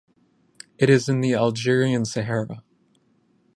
It is in the Algerian Sahara.